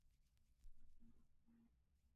سی F C کا استعمال پہلے